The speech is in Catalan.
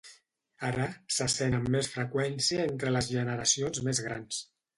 Ara, se sent amb més freqüència entre les generacions més grans.